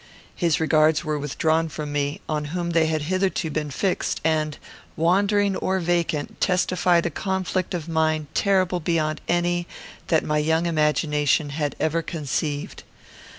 His regards were withdrawn from me, on whom they had hitherto been fixed; and, wandering or vacant, testified a conflict of mind terrible beyond any that my young imagination had ever conceived.